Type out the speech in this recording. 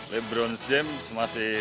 lebron james masih